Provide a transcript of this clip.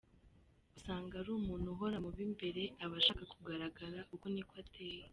Usanga ari umuntu uhora mu b’imbere, aba ashaka kugaragara uko niko ateye.